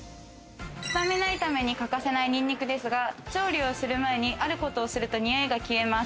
スタミナ炒めに欠かせないニンニクですが調理をする前にあることをすると、においが消えます。